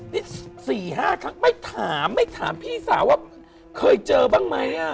นี่๔๕ครั้งไม่ถามไม่ถามพี่สาวว่าเคยเจอบ้างไหม